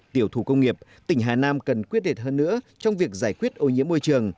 tiểu thủ công nghiệp tỉnh hà nam cần quyết đẹp hơn nữa trong việc giải quyết ô nhiễm môi trường